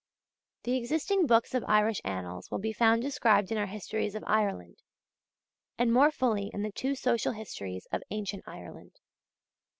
The existing books of Irish Annals will be found described in our Histories of Ireland, and more fully in the two Social Histories of Ancient Ireland.